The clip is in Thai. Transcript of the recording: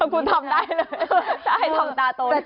คุณทำได้เลยถ้าให้ทำตาโตคุณทำได้